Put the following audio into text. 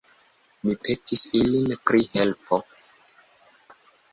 Mi petis ilin pri helpo.